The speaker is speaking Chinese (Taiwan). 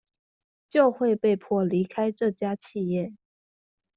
就會被迫離開這家企業